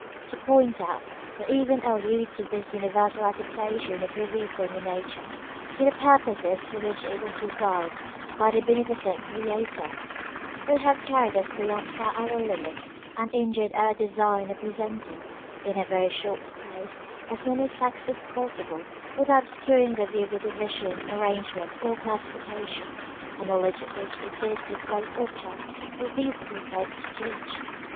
To point out, or even allude to this universal adaptation of every thing in nature, to the puposes for which it was designed by the benefi cent Creator, would hitVe carried us far beyond our limits, and injured our design of presenting, in a very short space, as many facts as possi ble, without obscuring the view of the division, arrangement, or classifi cation, a knowledge of which it is the great object of these little books to teach.